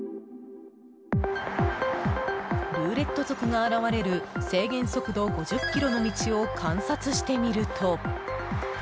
ルーレット族が現れる制限速度５０キロの道を観察してみると。